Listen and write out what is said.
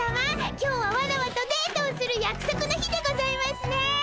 今日はワラワとデートをするやくそくの日でございますね！